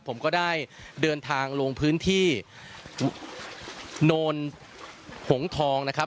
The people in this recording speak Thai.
ผมก็ได้เดินทางลงพื้นที่โนนหงทองนะครับ